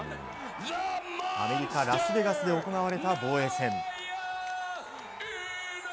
アメリカ・ラスベガスで行われた防衛戦。